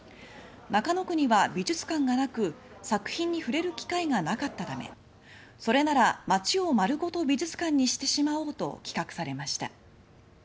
中野区には美術館がなく作品に触れる機会がなかったためそれなら、街を丸ごと美術館にしてしまおうと企画されました。